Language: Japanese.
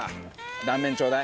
断面ちょうだい。